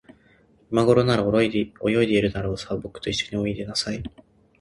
いまごろなら、泳いでいるだろう。さあ、ぼくといっしょにおいでなさい。